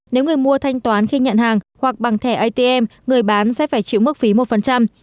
nếu người mua thanh toán khi nhận hàng hoặc bằng thẻ atm người bán sẽ phải chịu mức phí một